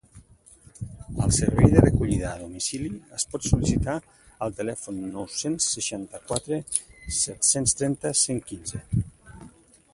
El servei de recollida a domicili es pot sol·licitar al telèfon nou-cents seixanta-quatre set-cents trenta cent quinze.